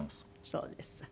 そうですか。